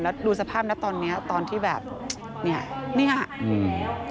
แล้วดูสภาพนั้นตอนนี้ตอนที่แบบนี่ค่ะ